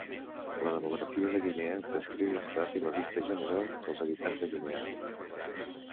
La demografia de Guinea descriu l'estat i la vista general dels habitants de Guinea.